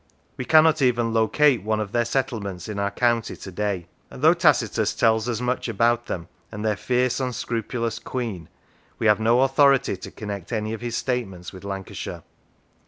We cannot even locate one of their settlements in our county to day; and though Tacitus tells us much about them and their fierce, unscrupulous queen, we have no authority to connect any of his statements with Lancashire.